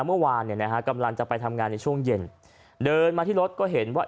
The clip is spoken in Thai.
เมื่อวานเนี่ยนะฮะกำลังจะไปทำงานในช่วงเย็นเดินมาที่รถก็เห็นว่า